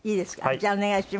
じゃあお願いします。